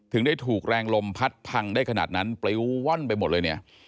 ถึงได้ถูกแรงลมพัดพังได้ขนาดนั้นปลิ้วว่อนไปหมดเลยเนี่ย